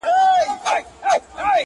o له دې سببه تاریکه ستایمه,